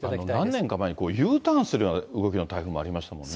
何年か前にＵターンするような動きの台風もありましたもんね。